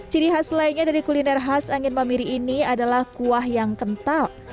ciri khas lainnya dari kuliner khas angin mamiri ini adalah kuah yang kental